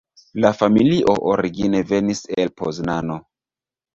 La familio origine venis el Poznano.